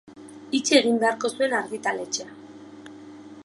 Itxi egin beharko zuen argitaletxea.